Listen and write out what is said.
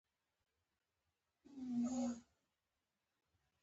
د پسرلي په راتګ سره د ژمي وسایل ټول کیږي